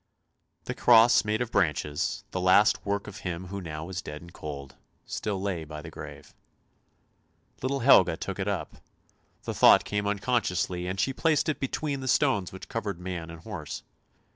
The cross made of branches, the last work of him who now was dead and cold, still lay by the grave. Little Helga took it up, the thought came unconsciously, and she placed it between the stones which covered man and horse.